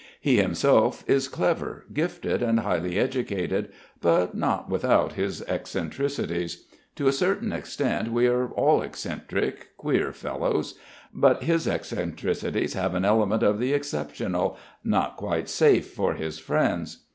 He himself is clever, gifted, and highly educated, but not without his eccentricities. To a certain extent we are all eccentric, queer fellows, but his eccentricities have an element of the exceptional, not quite safe for his friends.